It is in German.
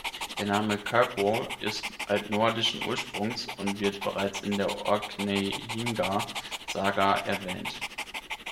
Der Name Kirkwall ist altnordischen Ursprungs und wird bereits in der Orkneyinga saga erwähnt.